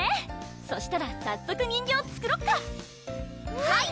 そしたら早速人形作ろっかはい！